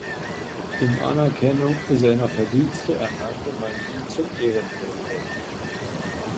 In Anerkennung seiner Verdienste ernannte man ihn zum Ehrenpräsident.